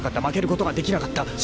負けることができなかった］